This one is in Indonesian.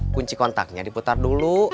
kunci kontaknya diputar dulu